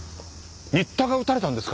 新田が撃たれたんですか？